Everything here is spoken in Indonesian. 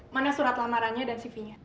mana surat lamarannya dan cv nya